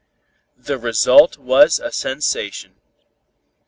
The result was a sensation.